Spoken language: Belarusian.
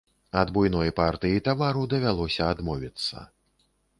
Ад буйной партыі тавару давялося адмовіцца.